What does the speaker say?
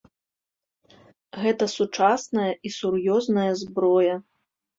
Гэта сучасная і сур'ёзная зброя.